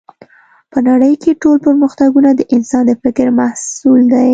په نړۍ کې ټول پرمختګونه د انسان د فکر محصول دی